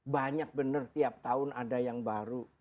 banyak benar tiap tahun ada yang baru